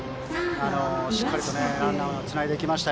しっかりとランナーをつないでいきました。